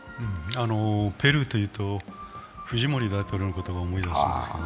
ペルーというとフジモリ大統領のことを思い出すんですけどね。